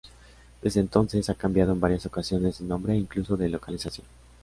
Desde entonces ha cambiado en varias ocasiones de nombre e incluso de localización.